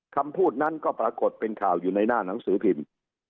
คำพูดนั้นก็ปรากฏเป็นข่าวอยู่ในหน้าหนังสือพิมพ์